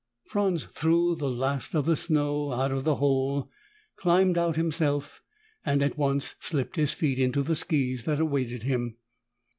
Franz threw the last of the snow out of the hole, climbed out himself and at once slipped his feet into the skis that awaited him.